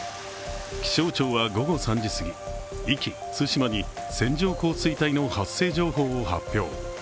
気象庁は午後３時すぎ、壱岐・対馬に線状降水帯の発生情報を発表。